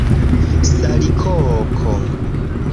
salikoko